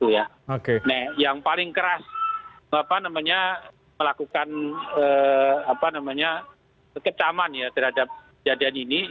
yang paling keras melakukan ketaman terhadap jadian ini